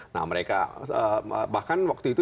nah mereka bahkan waktu itu